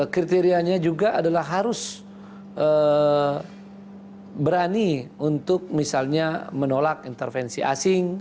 kriterianya juga adalah harus berani untuk misalnya menolak intervensi asing